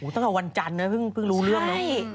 ตั้งแต่วันจันทร์นะเพิ่งรู้เรื่องเนอะ